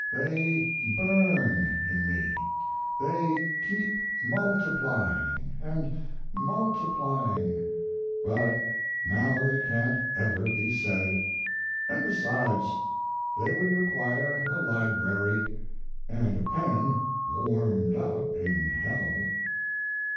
They burn in me; they keep multiplying and multiplying, but now they can't ever be said; and besides they would require a library and a pen warmed up in hell.